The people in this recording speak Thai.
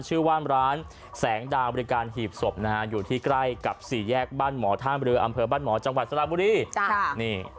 ชื่อว่าร้านแสงดาวบริการหีบศพนะฮะอยู่ที่ใกล้กับสี่แยกบ้านหมอท่ามเรืออำเภอบ้านหมอจังหวัดสระบุรี